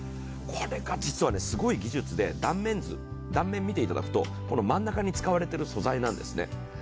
これが実はすごい技術で、断面、見ていただくと真ん中に使われている素材なんですね。